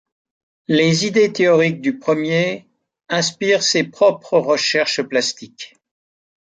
Les idées théoriques du premier inspirent ses propres recherches plastiques.